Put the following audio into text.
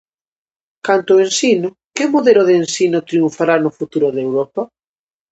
Canto ao ensino, que modelo de ensino triunfará no futuro de Europa?